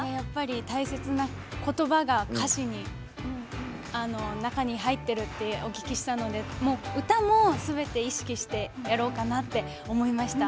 大切な言葉が歌詞の中に入っているってお聞きしたので歌もすべて意識してやろうかなって思いました。